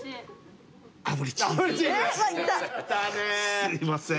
すいません。